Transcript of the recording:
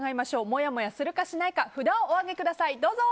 もやもやするかしないか札をお上げください。